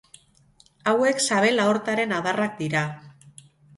Hauek sabel aortaren adarrak dira.